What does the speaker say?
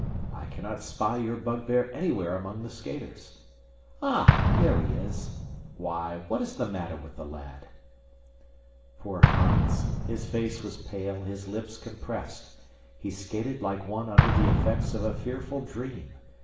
I cannot spy your bugbear anywhere among the skaters. Ah, there he is! Why, what is the matter with the lad?" Poor Hans! His face was pale, his lips compressed. He skated like one under the effects of a fearful dream.